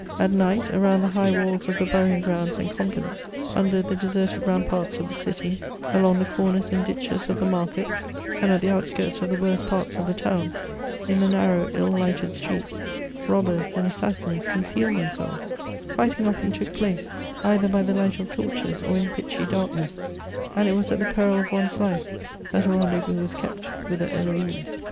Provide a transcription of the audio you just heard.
At night, around the h^h walls of the burying grounds and convents, under the deserted ramparts of the city, along the comers and ditches of the markets, and at the outskirts of the worst parts of the town, in the narrow, ill lighted streets, robbers and assassins con cealed themselves ; fighting often took place, either by the light of torches or in pitchy darkness, and it was at the peril of one'i^ life that a rendezvous was kept with a Heloise.